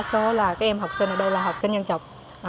các em học sinh ở đâu là học sinh nhân chọc